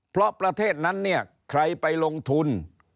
เพราะประเทศนั้นเนี่ยใครไปลงทุน